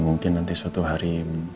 mungkin nanti suatu hari